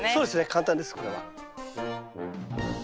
簡単ですこれは。